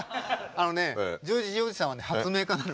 あのねジョージおじさんは発明家なの。